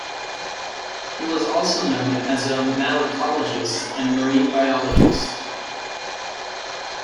He was also known as a malacologist and marine biologist.